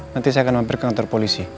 nanti saya akan mampir ke kantor polisi